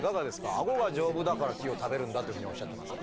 アゴが丈夫だから木を食べるんだっていうふうにおっしゃってますが。